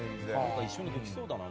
一緒にできそうだな。